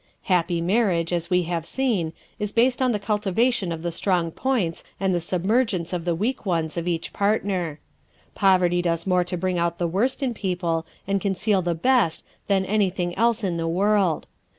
Happy marriage, as we have seen, is based on the cultivation of the strong points and the submergence of the weak ones of each partner. Poverty does more to bring out the worst in people and conceal the best than anything else in the world.